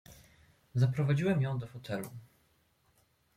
"Zaprowadziłem ją do fotelu."